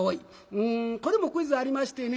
うんこれもクイズありましてね